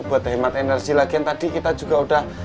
buat hemat energi lagian tadi kita juga udah